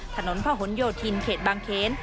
ถนนพะหนโยธินเขตบางเขน